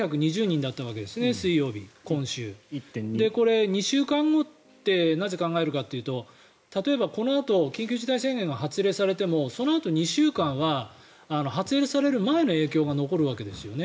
これ、２週間後ってなぜ考えるかというと例えばこのあと緊急事態宣言が発令されてもそのあと２週間は発令される前の影響が残るわけですよね。